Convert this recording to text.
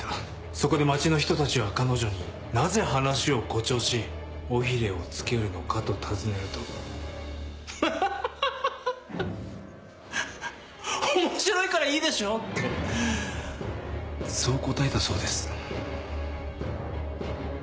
そこで町の人たちが彼女に「なぜ話を誇張し尾ひれを付けるのか」と尋ねると「ハハハハ！面白いからいいでしょ」ってそう答えたそうです。